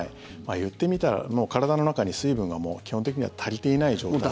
言ってみたらもう体の中に水分が基本的には足りていない状態で。